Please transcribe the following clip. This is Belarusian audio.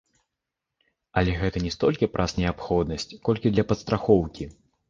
Але гэта не столькі праз неабходнасць, колькі для падстрахоўкі.